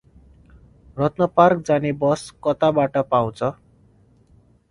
रत्नपार्क जाने बस कताबाट पाउछ?